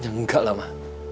ya enggak lah ma